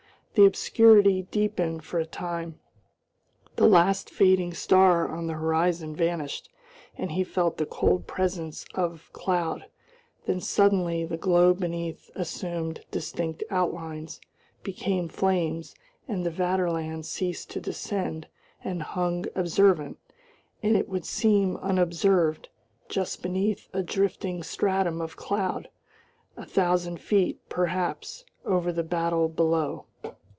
The obscurity deepened for a time, the last fading star on the horizon vanished, and he felt the cold presence of cloud. Then suddenly the glow beneath assumed distinct outlines, became flames, and the Vaterland ceased to descend and hung observant, and it would seem unobserved, just beneath a drifting stratum of cloud, a thousand feet, perhaps, over the battle below.